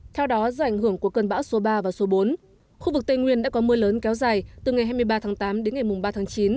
theo đó do ảnh hưởng của cơn bão số ba và số bốn khu vực tây nguyên đã có mưa lớn kéo dài từ ngày hai mươi ba tháng tám đến ngày ba tháng chín